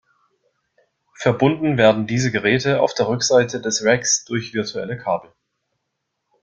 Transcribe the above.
Verbunden werden diese Geräte auf der Rückseite des Racks durch virtuelle Kabel.